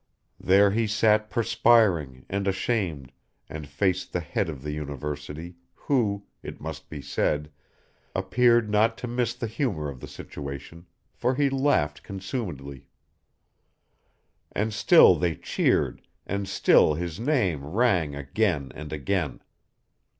There he sat perspiring and ashamed, and faced the head of the University, who, it must be said, appeared not to miss the humor of the situation, for he laughed consumedly. And still they cheered and still his name rang again and again.